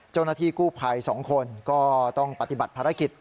เจ้าหน้าที่กู้ภัย๒คนก็ต้องปฏิบัติภารกิจ